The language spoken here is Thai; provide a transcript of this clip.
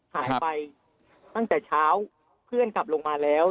หายไปตั้งแต่เช้าเพื่อนกลับลงมาแล้ว